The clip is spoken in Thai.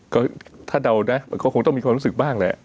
ก็ถ้าเดานะมันก็คงต้องมีความรู้สึกบ้างแหละ